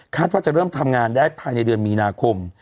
ว่าจะเริ่มทำงานได้ภายในเดือนมีนาคม